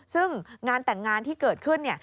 ซึ่งงานแต่งงานที่เกิดขึ้น